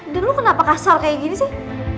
dan lo kenapa kasar kayak gini sih